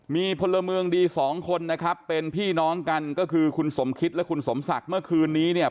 มีพลเมืองดีสองคนนะครับเป็นพี่น้องกันก็คือคุณสมคิตและคุณสมศักดิ์เมื่อคืนนี้เนี่ย